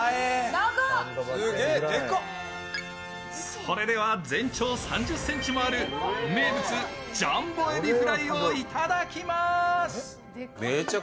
それでは全長３０ｃｍもある名物ジャンボエビフライをいただきます。